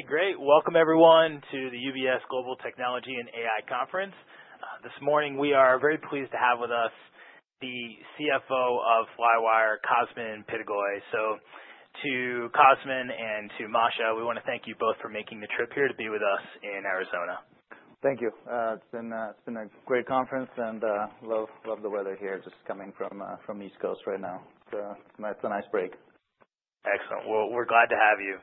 Okay, great. Welcome, everyone, to the UBS Global Technology and AI Conference. This morning we are very pleased to have with us the CFO of Flywire, Cosmin Pitigoi. So, to Cosmin and to Masha, we want to thank you both for making the trip here to be with us in Arizona. Thank you. It's been a great conference, and love the weather here just coming from the East Coast right now. It's a nice break. Excellent. Well, we're glad to have you.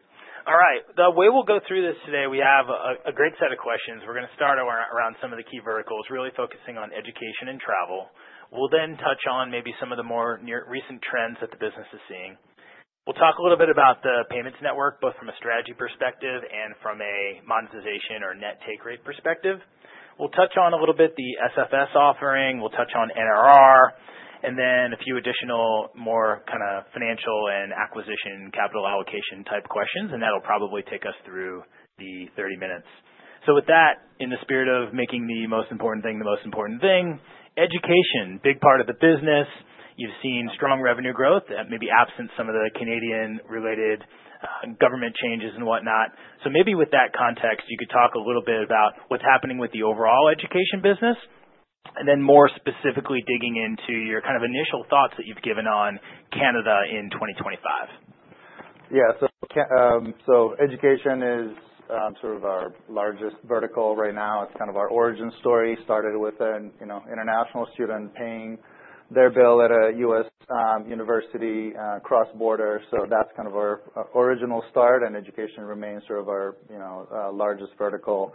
All right. The way we'll go through this today, we have a great set of questions. We're gonna start around some of the key verticals, really focusing on education and travel. We'll then touch on maybe some of the more near-recent trends that the business is seeing. We'll talk a little bit about the payments network, both from a strategy perspective and from a monetization or net take rate perspective. We'll touch on a little bit the SFS offering. We'll touch on NRR, and then a few additional more kinda financial and acquisition capital allocation type questions, and that'll probably take us through the 30 minutes. So with that, in the spirit of making the most important thing the most important thing, education, big part of the business. You've seen strong revenue growth, maybe absent some of the Canadian-related, government changes and whatnot. So maybe with that context, you could talk a little bit about what's happening with the overall education business, and then more specifically digging into your kind of initial thoughts that you've given on Canada in 2025. Yeah, so education is sort of our largest vertical right now. It's kind of our origin story. Started with an, you know, international student paying their bill at a U.S. university, cross-border. So that's kind of our original start, and education remains sort of our, you know, largest vertical.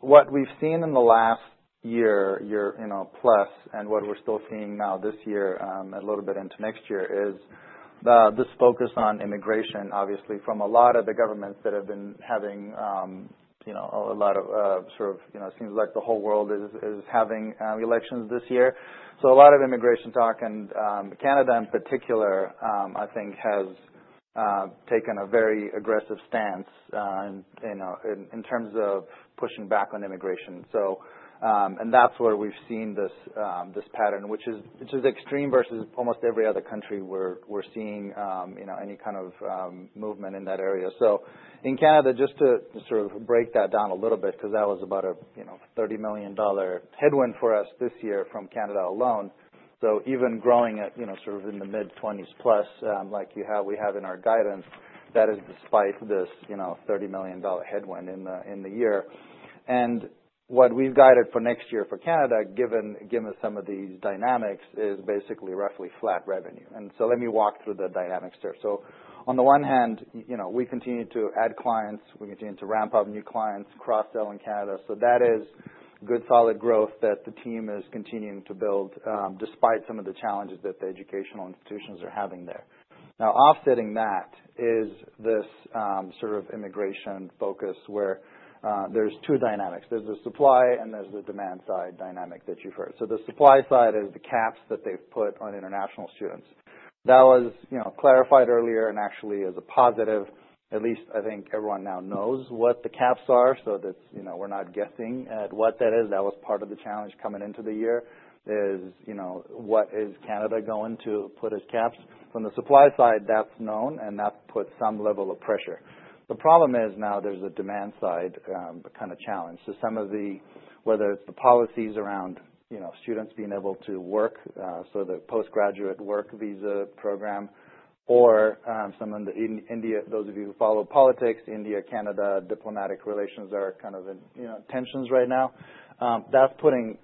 What we've seen in the last year, you know, plus, and what we're still seeing now this year, and a little bit into next year is this focus on immigration, obviously, from a lot of the governments that have been having, you know, a lot of, sort of, you know, it seems like the whole world is having elections this year. So a lot of immigration talk, and Canada in particular, I think has taken a very aggressive stance, in, you know, in terms of pushing back on immigration. So, and that's where we've seen this pattern, which is extreme versus almost every other country we're seeing, you know, any kind of movement in that area. So in Canada, just to sort of break that down a little bit, 'cause that was about a, you know, $30 million headwind for us this year from Canada alone. So even growing at, you know, sort of in the mid-20s plus, like we have in our guidance, that is despite this, you know, $30 million headwind in the year. And what we've guided for next year for Canada, given some of these dynamics, is basically roughly flat revenue. And so let me walk through the dynamics there. So on the one hand, you know, we continue to add clients. We continue to ramp up new clients, cross-sell in Canada. That is good solid growth that the team is continuing to build, despite some of the challenges that the educational institutions are having there. Now, offsetting that is this sort of immigration focus where there's two dynamics. There's the supply and there's the demand side dynamic that you've heard. So the supply side is the caps that they've put on international students. That was, you know, clarified earlier and actually is a positive. At least I think everyone now knows what the caps are, so that's, you know, we're not guessing at what that is. That was part of the challenge coming into the year is, you know, what is Canada going to put as caps? From the supply side, that's known, and that puts some level of pressure. The problem is now there's a demand side kinda challenge. So some of the, whether it's the policies around, you know, students being able to work, so the postgraduate work visa program, or some of the India. Those of you who follow politics, India, Canada diplomatic relations are kind of in, you know, tensions right now. That's putting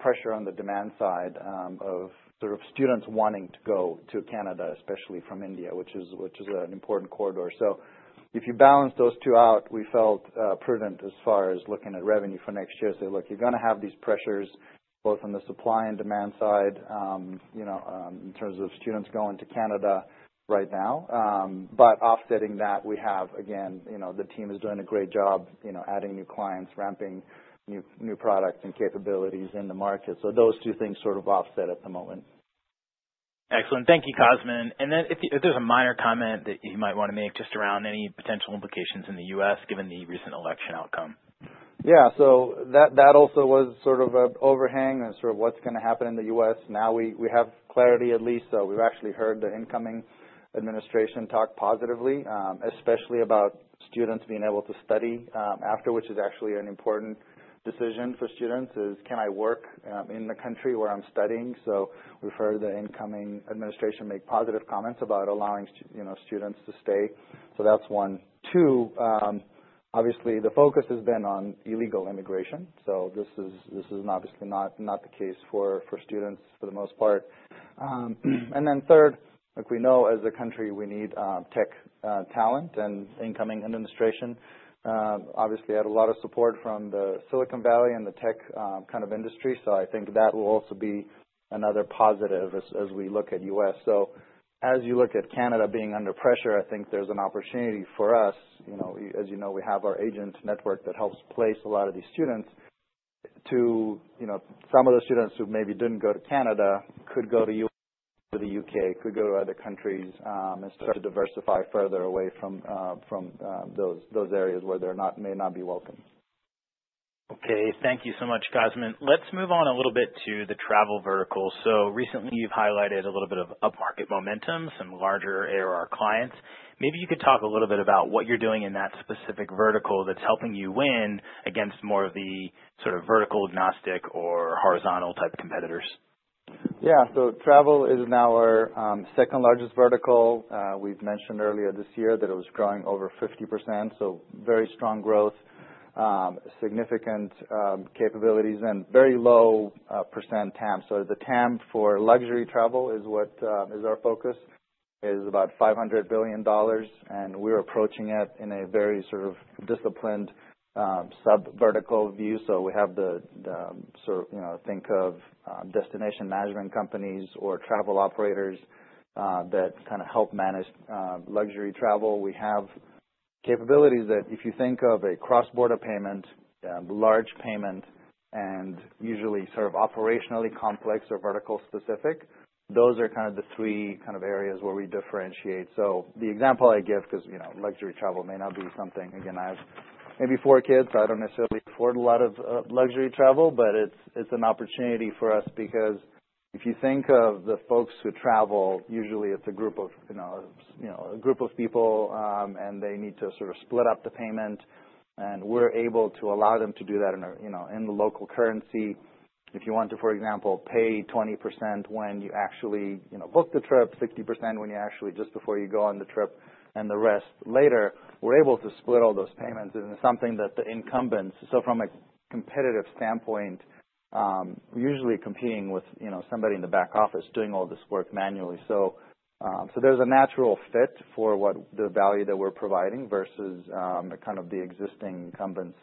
pressure on the demand side of sort of students wanting to go to Canada, especially from India, which is an important corridor. So if you balance those two out, we felt prudent as far as looking at revenue for next year, say, "Look, you're gonna have these pressures both on the supply and demand side, you know, in terms of students going to Canada right now." But offsetting that, we have, again, you know, the team is doing a great job, you know, adding new clients, ramping new products and capabilities in the market. So those two things sort of offset at the moment. Excellent. Thank you, Cosmin. And then if there's a minor comment that you might wanna make just around any potential implications in the U.S. given the recent election outcome. Yeah, so that also was sort of an overhang on sort of what's gonna happen in the U.S. Now we have clarity, at least, so we've actually heard the incoming administration talk positively, especially about students being able to study after, which is actually an important decision for students: "Can I work in the country where I'm studying?" So we've heard the incoming administration make positive comments about allowing students, you know, to stay. So that's one. Two, obviously, the focus has been on illegal immigration. So this is obviously not the case for students for the most part. And then third, like we know, as a country, we need tech talent and incoming administration. Obviously, I had a lot of support from the Silicon Valley and the tech, kind of industry, so I think that will also be another positive as we look at U.S. So as you look at Canada being under pressure, I think there's an opportunity for us, you know, we as you know, we have our agent network that helps place a lot of these students to, you know, some of the students who maybe didn't go to Canada could go to U.S. or the U.K., could go to other countries, and start to diversify further away from those areas where they may not be welcome. Okay. Thank you so much, Cosmin. Let's move on a little bit to the travel vertical. So recently you've highlighted a little bit of upmarket momentum, some larger ARR clients. Maybe you could talk a little bit about what you're doing in that specific vertical that's helping you win against more of the sort of vertical agnostic or horizontal type competitors? Yeah, so travel is now our second largest vertical. We've mentioned earlier this year that it was growing over 50%, so very strong growth, significant capabilities, and very low percent TAM. So the TAM for luxury travel is what is our focus, is about $500 billion, and we're approaching it in a very sort of disciplined subvertical view. So we have the sort of, you know, think of destination management companies or travel operators that kinda help manage luxury travel. We have capabilities that if you think of a cross-border payment, large payment, and usually sort of operationally complex or vertical specific, those are kinda the three kind of areas where we differentiate. So the example I give, 'cause, you know, luxury travel may not be something again, I have maybe four kids, so I don't necessarily afford a lot of luxury travel, but it's an opportunity for us because if you think of the folks who travel, usually it's a group of, you know, as you know, a group of people, and they need to sort of split up the payment, and we're able to allow them to do that in a, you know, in the local currency. If you want to, for example, pay 20% when you actually, you know, book the trip, 60% when you actually just before you go on the trip, and the rest later, we're able to split all those payments. It's something that the incumbents do from a competitive standpoint, usually competing with, you know, somebody in the back office doing all this work manually. So there's a natural fit for the value that we're providing versus kind of the existing incumbents.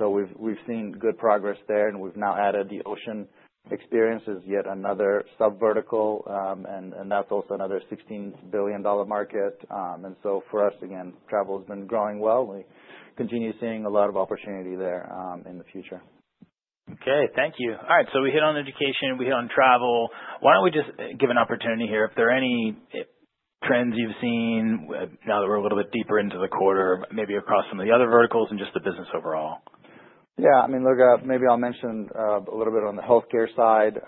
We've seen good progress there, and we've now added the ocean experience as yet another subvertical, and that's also another $16 billion market. For us, again, travel's been growing well. We continue seeing a lot of opportunity there in the future. Okay. Thank you. All right, so we hit on education. We hit on travel. Why don't we just give an opportunity here if there are any trends you've seen, now that we're a little bit deeper into the quarter, maybe across some of the other verticals and just the business overall? Yeah, I mean, look, maybe I'll mention a little bit on the healthcare side,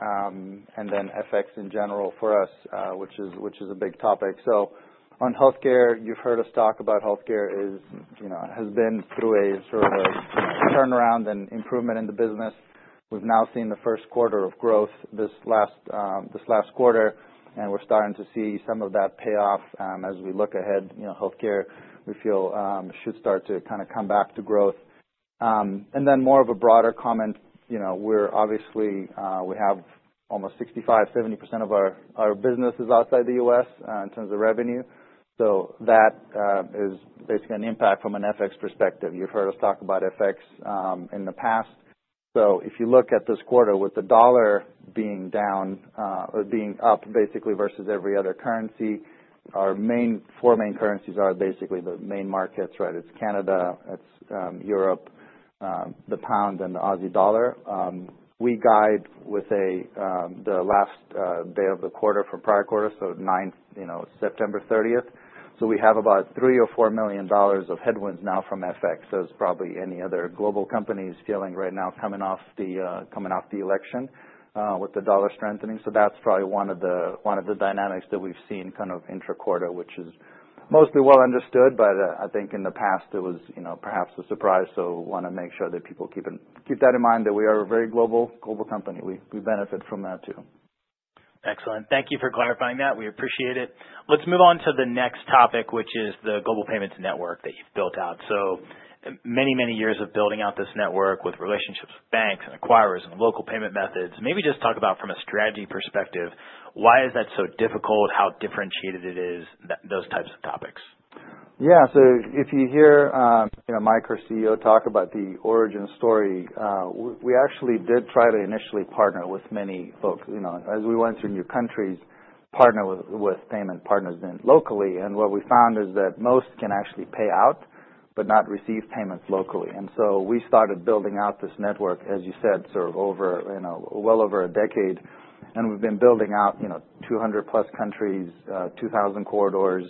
and then FX in general for us, which is, which is a big topic. So on healthcare, you've heard us talk about healthcare is, you know, has been through a sort of a, you know, turnaround and improvement in the business. We've now seen the first quarter of growth this last, this last quarter, and we're starting to see some of that pay off, as we look ahead. You know, healthcare, we feel, should start to kinda come back to growth. And then more of a broader comment, you know, we're obviously, we have almost 65%-70% of our, our business is outside the U.S., in terms of revenue. So that is basically an impact from an FX perspective. You've heard us talk about FX in the past. So if you look at this quarter with the dollar being down, or being up basically versus every other currency, our main four currencies are basically the main markets, right? It's Canada, it's Europe, the pound, and the Aussie dollar. We guide with the last day of the quarter from prior quarter, so ninth, you know, September 30th. So we have about $3 million-$4 million of headwinds now from FX, as probably any other global companies feeling right now coming off the election, with the dollar strengthening. So that's probably one of the dynamics that we've seen kind of intra-quarter, which is mostly well understood, but I think in the past it was, you know, perhaps a surprise. So wanna make sure that people keep that in mind that we are a very global company. We benefit from that too. Excellent. Thank you for clarifying that. We appreciate it. Let's move on to the next topic, which is the global payments network that you've built out. So many, many years of building out this network with relationships with banks and acquirers and local payment methods. Maybe just talk about from a strategy perspective, why is that so difficult, how differentiated it is, those types of topics? Yeah, so if you hear, you know, Mike, our CEO talk about the origin story, we actually did try to initially partner with many folks, you know, as we went through new countries, partner with payment partners locally. And what we found is that most can actually pay out but not receive payments locally. And so we started building out this network, as you said, sort of over, you know, well over a decade, and we've been building out, you know, 200-plus countries, 2,000 corridors,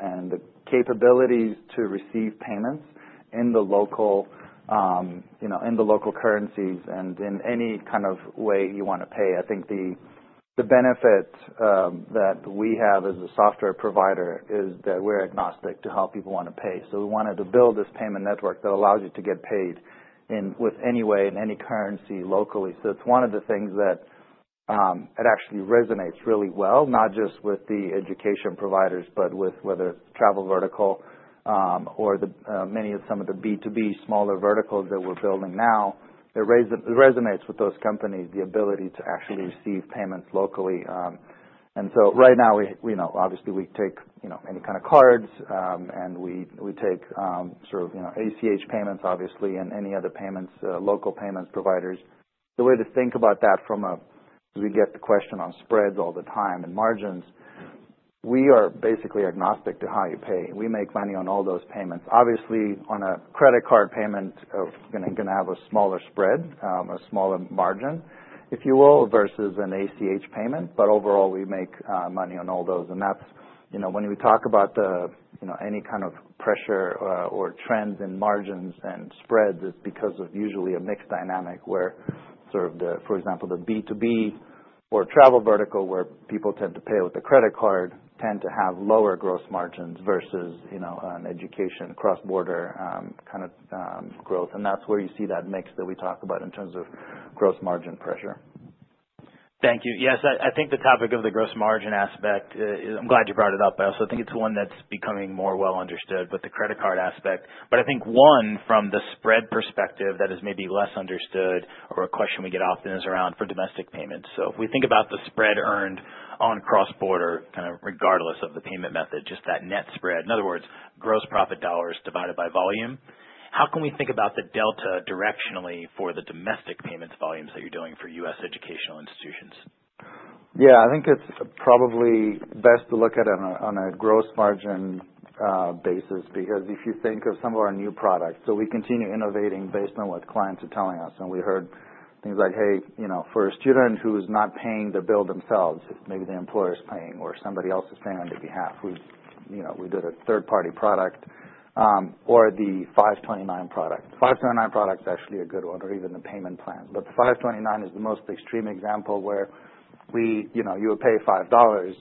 and the capabilities to receive payments in the local, you know, in the local currencies and in any kind of way you wanna pay. I think the benefit that we have as a software provider is that we're agnostic to how people wanna pay. So we wanted to build this payment network that allows you to get paid in with any way in any currency locally. So it's one of the things that, it actually resonates really well, not just with the education providers but with whether it's travel vertical, or the, many of some of the B2B smaller verticals that we're building now. It resonates with those companies, the ability to actually receive payments locally. And so right now we, you know, obviously we take, you know, any kinda cards, and we take, sort of, you know, ACH payments, obviously, and any other payments, local payments providers. The way to think about that from a 'cause we get the question on spreads all the time and margins, we are basically agnostic to how you pay. We make money on all those payments. Obviously, on a credit card payment, gonna have a smaller spread, a smaller margin, if you will, versus an ACH payment. But overall, we make money on all those. And that's, you know, when we talk about the, you know, any kind of pressure, or trends in margins and spreads, it's because of usually a mixed dynamic where sort of the, for example, the B2B or travel vertical where people tend to pay with a credit card tend to have lower gross margins versus, you know, an education cross-border, kind of, growth. And that's where you see that mix that we talk about in terms of gross margin pressure. Thank you. Yes, I think the topic of the gross margin aspect is. I'm glad you brought it up. I also think it's one that's becoming more well understood, but the credit card aspect. But I think one from the spread perspective that is maybe less understood or a question we get often is around, for domestic payments. So if we think about the spread earned on cross-border, kinda regardless of the payment method, just that net spread, in other words, gross profit dollars divided by volume, how can we think about the delta directionally for the domestic payments volumes that you're doing for U.S. educational institutions? Yeah, I think it's probably best to look at it on a gross margin basis because if you think of some of our new products, so we continue innovating based on what clients are telling us. And we heard things like, "Hey, you know, for a student who's not paying to bill themselves, maybe the employer's paying or somebody else is paying on their behalf." We, you know, we did a third-party product, or the 529 product. 529 product's actually a good one, or even the payment plan. But the 529 is the most extreme example where we, you know, you would pay $5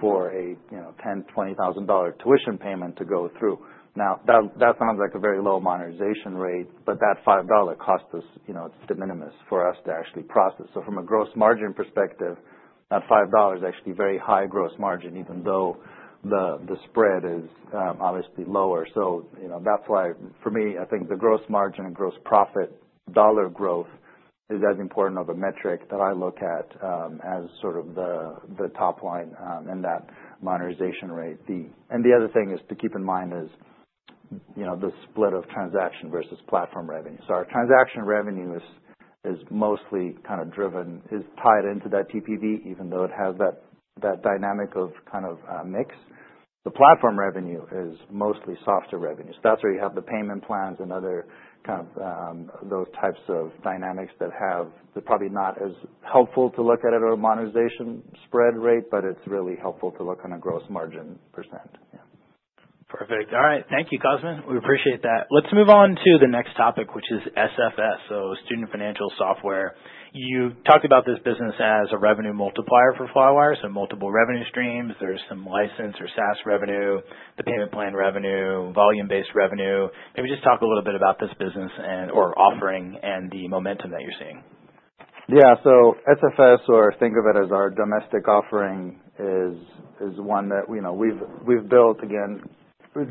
for a, you, know, $10,000-$20,000 tuition payment to go through. Now, that sounds like a very low monetization rate, but that $5 cost us, you know, it's de minimis for us to actually process. So from a gross margin perspective, that $5 is actually very high gross margin, even though the spread is obviously lower. You know, that's why for me, I think the gross margin and gross profit dollar growth is as important of a metric that I look at as sort of the top line in that monetization rate. And the other thing to keep in mind is you know, the split of transaction versus platform revenue. So our transaction revenue is mostly kinda driven, is tied into that TPV, even though it has that dynamic of kind of mix. The platform revenue is mostly software revenue. So that's where you have the payment plans and other kind of, those types of dynamics that, they're probably not as helpful to look at our monetization spread rate, but it's really helpful to look on a gross margin percent. Yeah. Perfect. All right. Thank you, Cosmin. We appreciate that. Let's move on to the next topic, which is SFS, so student financial software. You talked about this business as a revenue multiplier for Flywire, so multiple revenue streams. There's some license or SaaS revenue, the payment plan revenue, volume-based revenue. Maybe just talk a little bit about this business and or offering and the momentum that you're seeing. Yeah, so SFS, or think of it as our domestic offering, is one that, you know, we've built, again,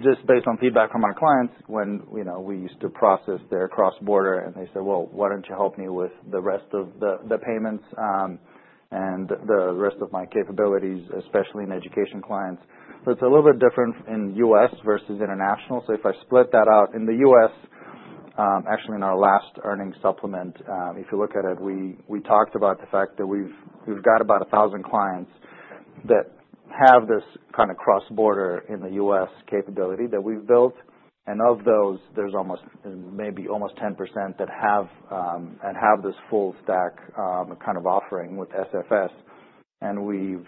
just based on feedback from our clients when, you know, we used to process their cross-border, and they said, "Well, why don't you help me with the rest of the payments, and the rest of my capabilities, especially in education clients?" So it's a little bit different in U.S. versus international. So if I split that out in the U.S., actually in our last earnings supplement, if you look at it, we talked about the fact that we've got about 1,000 clients that have this kinda cross-border in the U.S. capability that we've built. And of those, there's almost maybe almost 10% that have this full stack, kind of offering with SFS. And we've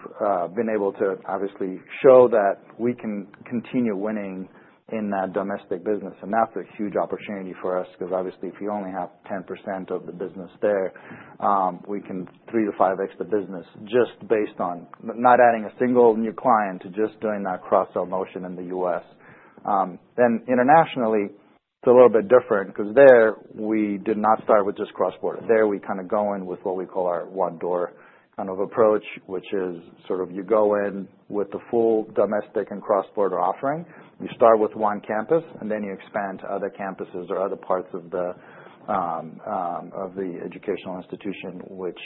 been able to obviously show that we can continue winning in that domestic business. And that's a huge opportunity for us 'cause obviously if you on.ly have 10% of the business there, we can three to five X the business just based on not adding a single new client to just doing that cross-sell motion in the U.S. Then internationally, it's a little bit different 'cause there we did not start with just cross-border. There we kinda go in with what we call our One-Door kind of approach, which is sort of you go in with the full domestic and cross-border offering. You start with one campus, and then you expand to other campuses or other parts of the educational institution, which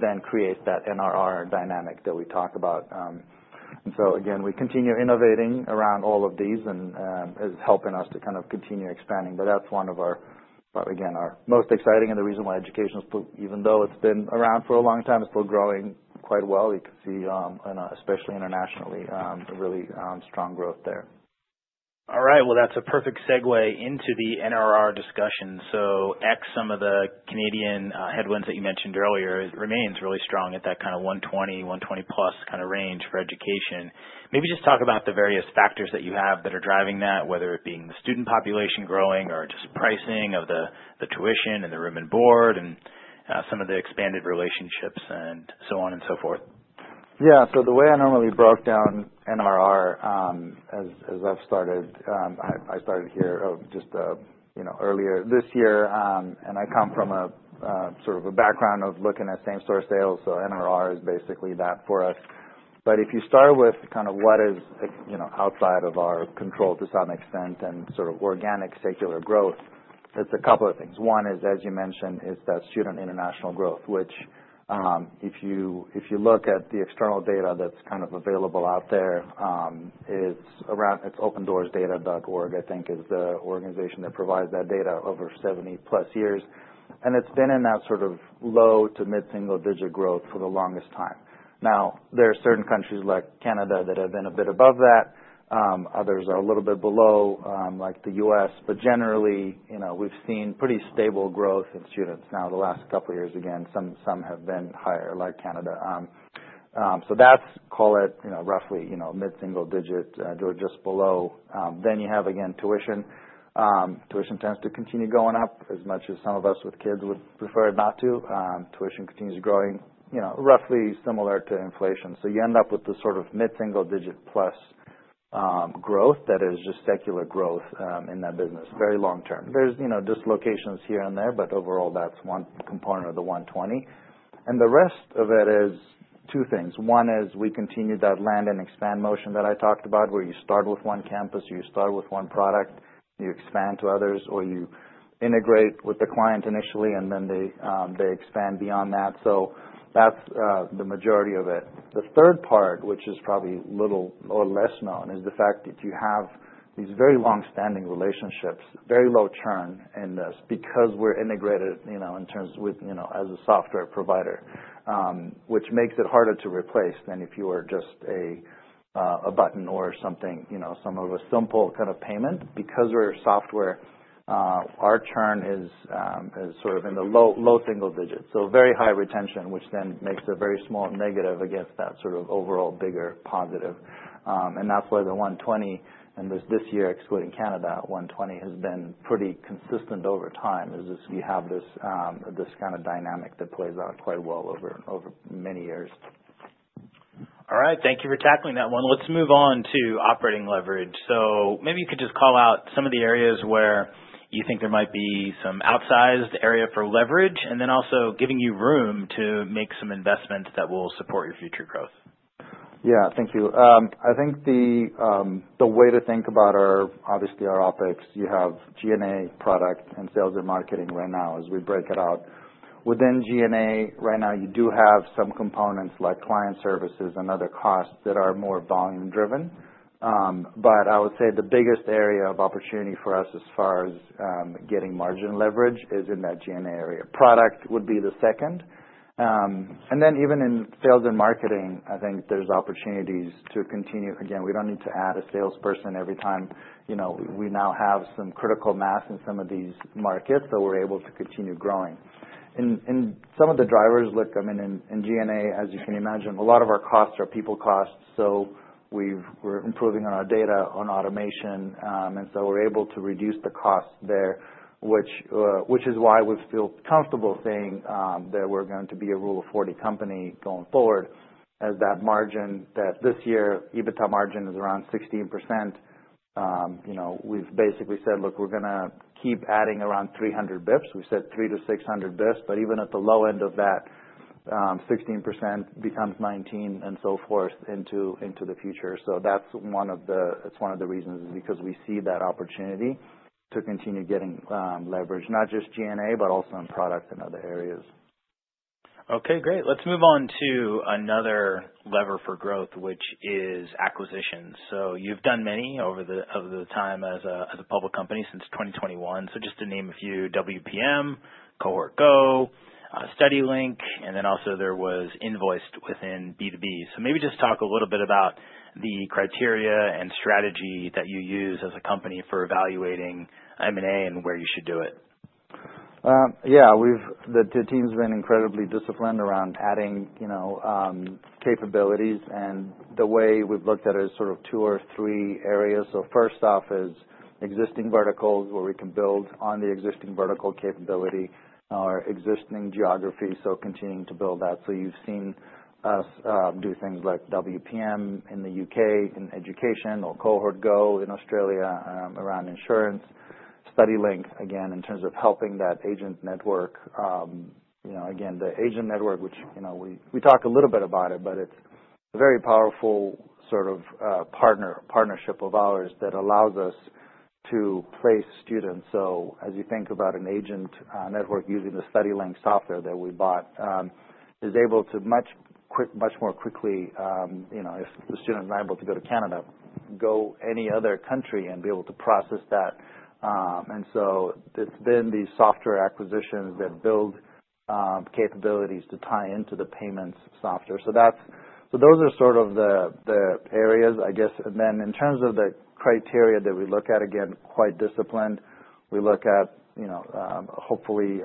then creates that NRR dynamic that we talk about. And so again, we continue innovating around all of these and is helping us to kind of continue expanding. But that's one of our, again, our most exciting, and the reason why education's probably even though it's been around for a long time, it's still growing quite well. You can see, and especially internationally, a really strong growth there. All right. Well, that's a perfect segue into the NRR discussion. So, some of the Canadian headwinds that you mentioned earlier remains really strong at that kinda 120, 120-plus kinda range for education. Maybe just talk about the various factors that you have that are driving that, whether it being the student population growing or just pricing of the tuition and the room and board and some of the expanded relationships and so on and so forth. Yeah, so the way I normally broke down NRR, as I've started, I started here, just, you know, earlier this year, and I come from a sort of a background of looking at same-store sales. So NRR is basically that for us. But if you start with kind of what is, you know, outside of our control to some extent and sort of organic secular growth, it's a couple of things. One is, as you mentioned, is that student international growth, which, if you look at the external data that's kind of available out there, it's around opendoorsdata.org, I think, is the organization that provides that data over 70-plus years. And it's been in that sort of low to mid-single-digit growth for the longest time. Now, there are certain countries like Canada that have been a bit above that. Others are a little bit below, like the U.S. But generally, you know, we've seen pretty stable growth in students now the last couple of years. Again, some have been higher, like Canada. So that's, call it, you know, roughly, you know, mid-single-digit, or just below. Then you have, again, tuition. Tuition tends to continue going up as much as some of us with kids would prefer not to. Tuition continues growing, you know, roughly similar to inflation. So you end up with this sort of mid-single-digit plus, growth that is just secular growth, in that business very long-term. There's, you know, dislocations here and there, but overall that's one component of the 120, and the rest of it is two things. One is we continue that land and expand motion that I talked about, where you start with one campus, or you start with one product, you expand to others, or you integrate with the client initially, and then they, they expand beyond that. So that's the majority of it. The third part, which is probably little or less known, is the fact that you have these very long-standing relationships, very low churn in this because we're integrated, you know, in terms with, you know, as a software provider, which makes it harder to replace than if you were just a, a button or something, you know, some of a simple kind of payment. Because we're software, our churn is, is sort of in the low, low single digits. So very high retention, which then makes a very small negative against that sort of overall bigger positive. and that's why the 120, and this year excluding Canada, 120 has been pretty consistent over time as we have this kind of dynamic that plays out quite well over many years. All right. Thank you for tackling that one. Let's move on to operating leverage. So maybe you could just call out some of the areas where you think there might be some outsized area for leverage and then also giving you room to make some investments that will support your future growth. Yeah, thank you. I think the way to think about our obviously our OpEx, you have GNA product and sales and marketing right now as we break it out. Within GNA right now, you do have some components like client services and other costs that are more volume-driven. But I would say the biggest area of opportunity for us as far as getting margin leverage is in that GNA area. Product would be the second. And then even in sales and marketing, I think there's opportunities to continue. Again, we don't need to add a salesperson every time. You know, we now have some critical mass in some of these markets, so we're able to continue growing. And some of the drivers look, I mean, in GNA, as you can imagine, a lot of our costs are people costs. So we're improving on our data on automation, and so we're able to reduce the cost there, which is why we feel comfortable saying that we're going to be a Rule of 40 company going forward as that margin, that this year, EBITDA margin is around 16%. You know, we've basically said, "Look, we're gonna keep adding around 300 basis points." We said three basis points-600 basis points. But even at the low end of that, 16% becomes 19% and so forth into the future. So that's one of the it's one of the reasons is because we see that opportunity to continue getting leverage, not just G&A, but also in product and other areas. Okay, great. Let's move on to another lever for growth, which is acquisitions. So you've done many over the time as a public company since 2021. So just to name a few, WPM, Cohort Go, StudyLink, and then also there was Invoiced withi.n B2B. So maybe just talk a little bit about the criteria and strategy that you use as a company for evaluating M&A and where you should do it. Yeah, the team's been incredibly disciplined around adding, you know, capabilities. And the way we've looked at it is sort of two or three areas. So first off is existing verticals where we can build on the existing vertical capability or existing geography, so continuing to build that. So you've seen us do things like WPM in the U.K. in education or Cohort Go in Australia, around insurance. StudyLink, again, in terms of helping that agent network, you know, again, the agent network, which, you know, we talk a little bit about it, but it's a very powerful sort of partner partnership of ours that allows us to place students. So as you think about an agent network using the StudyLink software that we bought is able to much more quickly, you know, if the student's not able to go to Canada, go any other country and be able to process that. And so it's been these software acquisitions that build capabilities to tie into the payments software. So that's those are sort of the areas, I guess. And then in terms of the criteria that we look at, again, quite disciplined. We look at, you know, hopefully,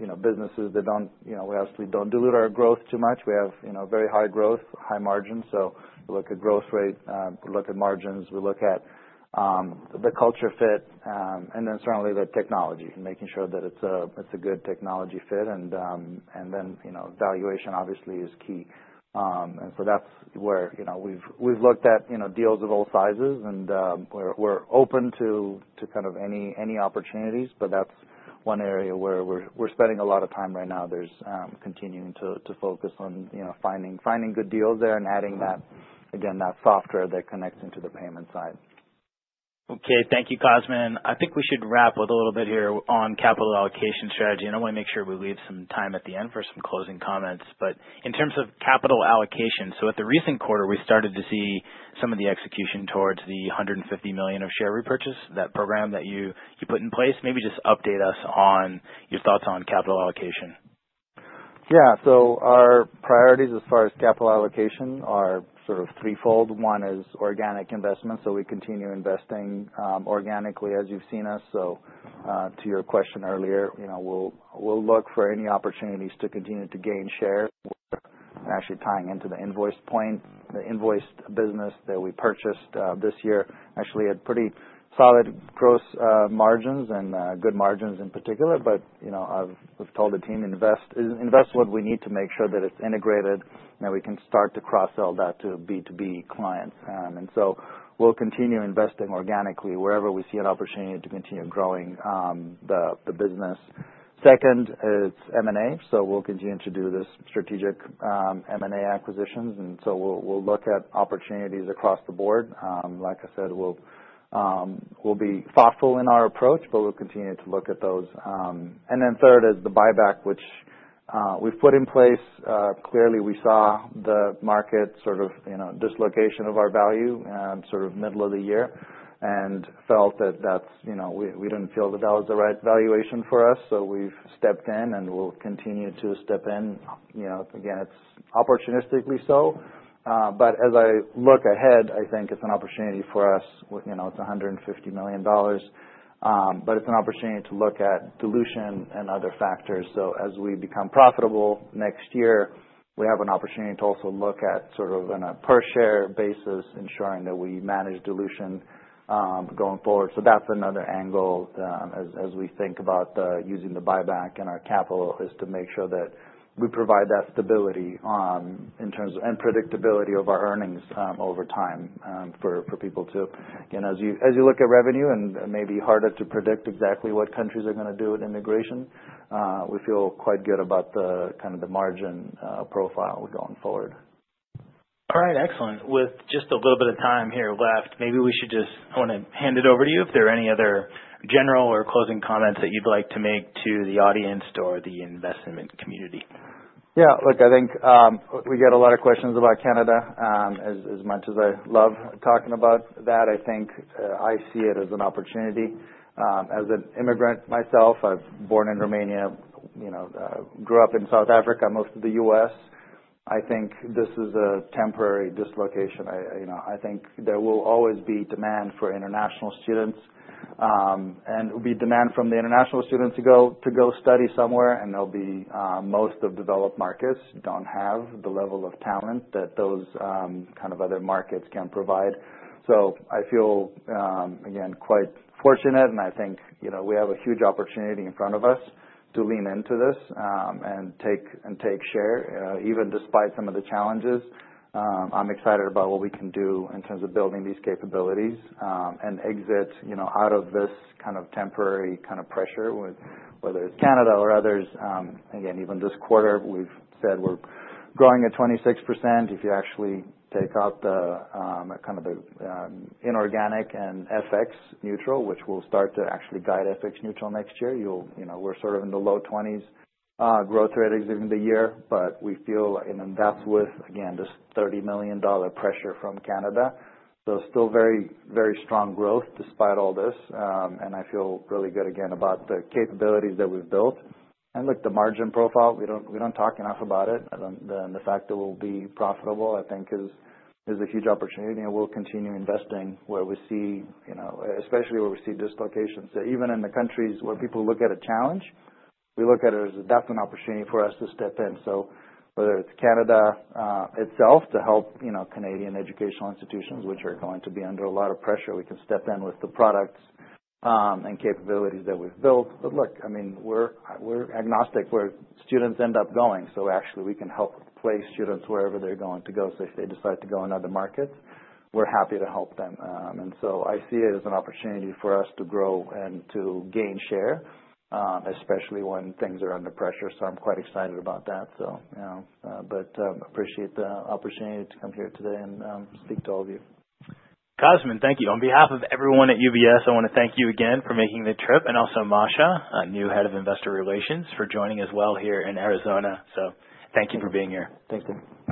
you know, businesses that don't, you know, we obviously don't dilute our growth too much. We have, you know, very high growth, high margins. So we look at growth rate, we look at margins, we look at the culture fit, and then certainly the technology, making sure that it's a good technology fit. And then, you know, valuation obviously is key. And so that's where, you know, we've looked at, you know, deals of all sizes. And we're open to kind of any opportunities. But that's one area where we're spending a lot of time right now. We're continuing to focus on, you know, finding good deals there and adding that, again, that software that connects into the payment side. Okay, thank you, Cosmin. I think we should wrap with a little bit here on capital allocation strategy. And I wanna make sure we leave some time at the end for some closing comments. But in terms of capital allocation, so at the recent quarter, we started to see some of the execution towards the $150 million of share repurchase, that program that you put in place. Maybe just update us on your thoughts on capital allocation. Yeah, so our priorities as far as capital allocation are sort of threefold. One is organic investments. So we continue investing organically as you've seen us. So, to your question earlier, you know, we'll look for any opportunities to continue to gain share and actually tying into the Invoiced point. The Invoiced business that we purchased this year actually had pretty solid gross margins and good margins in particular. But you know, I've told the team invest, invest what we need to make sure that it's integrated and that we can start to cross-sell that to B2B clients, and so we'll continue investing organically wherever we see an opportunity to continue growing the business. Second is M&A. So we'll continue to do this strategic M&A acquisitions. And so we'll look at opportunities across the board. Like I said, we'll be thoughtful in our approach, but we'll continue to look at those. Then the third is the buyback, which we've put in place. Clearly we saw the market sort of, you know, dislocation of our value sort of middle of the year and felt that that's, you know, we didn't feel that that was the right valuation for us. So we've stepped in and we'll continue to step in. You know, again, it's opportunistically so. But as I look ahead, I think it's an opportunity for us. You know, it's $150 million. But it's an opportunity to look at dilution and other factors. So as we become profitable next year, we have an opportunity to also look at sort of on a per-share basis, ensuring that we manage dilution going forward. So that's another angle, as we think about using the buyback and our capital is to make sure that we provide that stability, in terms of and predictability of our earnings, over time, for people too. Again, as you look at revenue and maybe harder to predict exactly what countries are gonna do at integration, we feel quite good about the kind of margin profile going forward. All right, excellent. With just a little bit of time here left, maybe we should just I wanna hand it over to you if there are any other general or closing comments that you'd like to make to the audience or the investment community? Yeah, look, I think we get a lot of questions about Canada. As much as I love talking about that, I think I see it as an opportunity. As an immigrant myself, I've born in Romania, you know, grew up in South Africa, most of the U.S. I think this is a temporary dislocation. I, you know, I think there will always be demand for international students, and it'll be demand from the international students to go study somewhere, and there'll be most of developed markets don't have the level of talent that those kind of other markets can provide. So I feel again quite fortunate, and I think, you know, we have a huge opportunity in front of us to lean into this, and take share, even despite some of the challenges. I'm excited about what we can do in terms of building these capabilities, and exit, you know, out of this kind of temporary kind of pressure with whether it's Canada or others. Again, even this quarter, we've said we're growing at 26%. If you actually take out the inorganic and FX neutral, which we'll start to actually guide FX neutral next year, you'll, you know, we're sort of in the low 20s, growth rate exiting the year. But we feel, you know, that's with, again, this $30 million pressure from Canada. So still very, very strong growth despite all this. And I feel really good, again, about the capabilities that we've built. And look, the margin profile, we don't talk enough about it. And the fact that we'll be profitable, I think, is a huge opportunity. And we'll continue investing where we see, you know, especially where we see dislocations. So even in the countries where people look at a challenge, we look at it as a definite opportunity for us to step in. So whether it's Canada itself to help, you know, Canadian educational institutions, which are going to be under a lot of pressure, we can step in with the products and capabilities that we've built. But look, I mean, we're agnostic where students end up going. So actually we can help place students wherever they're going to go. So if they decide to go in other markets, we're happy to help them. And so I see it as an opportunity for us to grow and to gain share, especially when things are under pressure. So I'm quite excited about that. You know, I appreciate the opportunity to come here today and speak to all of you. Cosmin, thank you. On behalf of everyone at UBS, I wanna thank you again for making the trip. And also Masha, new Head of Investor Relations for joining as well here in Arizona. So thank you for being here. Thank you.